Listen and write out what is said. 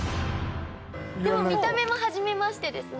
見た目もはじめましてです。